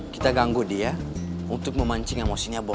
kita ganggu dia untuk memancing emosinya